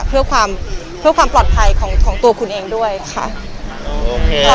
เพื่อความปลอดภัยของของตัวของคุณเองด้วยไปนะครับ